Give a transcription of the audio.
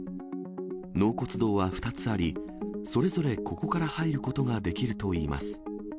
納骨堂は２つあり、それぞれここから入ることができるといいます。